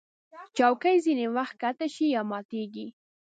چوکۍ ځینې وخت ښکته شي یا ماتېږي.